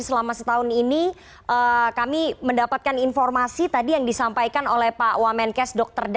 selamat sore pak menkes